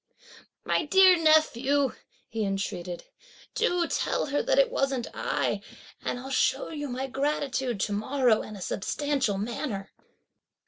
"My dear nephew," he entreated, "do tell her that it wasn't I; and I'll show you my gratitude to morrow in a substantial manner."